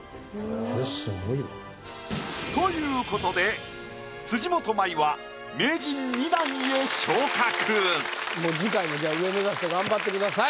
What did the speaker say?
これすごいよ。ということで辻元舞はもう次回もじゃあ上目指して頑張ってください。